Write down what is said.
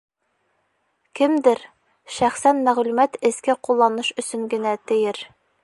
Кемдер, шәхсән мәғлүмәт эске ҡулланыш өсөн генә, тиер.